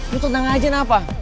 lo tundang ajaan apa